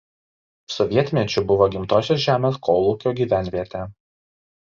Sovietmečiu buvo „Gimtosios žemės“ kolūkio gyvenvietė.